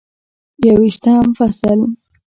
یوویشتم فصل: